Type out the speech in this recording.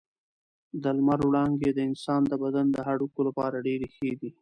د لمر وړانګې د انسان د بدن د هډوکو لپاره ډېرې ښې دي.